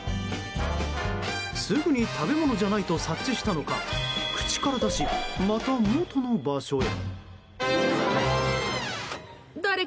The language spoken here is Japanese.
すぐに食べ物じゃないと察知したのか口から出し、またもとの場所へ。